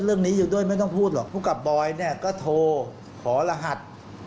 เรื่องนี้อยู่ด้วยไม่ต้องพูดหรอกผู้กับบอยเนี่ยก็โทรขอรหัส